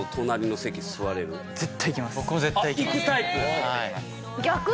行くタイプ。